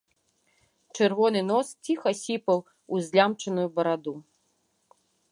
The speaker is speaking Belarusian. Чырвоны нос ціха сіпаў у злямчаную бараду.